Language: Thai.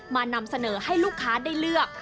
นำเสนอให้ลูกค้าได้เลือก